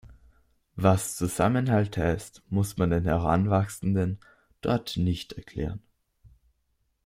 Was Zusammenhalt heißt, muss man den Heranwachsenden dort nicht erklären.